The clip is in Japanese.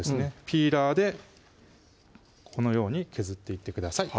ピーラーでこのように削っていってください